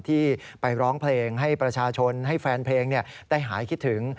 ที่ไปร้องเพลงให้ประชาชนให้แฟนเพลงได้หายคิดถึง